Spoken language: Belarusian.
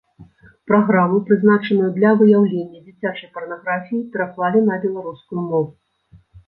Праграму, прызначаную для выяўлення дзіцячай парнаграфіі, пераклалі на беларускую мову.